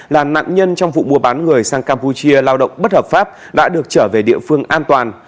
là nạn nhân trong vụ mua bán người sang campuchia lao động bất hợp pháp đã được trở về địa phương an toàn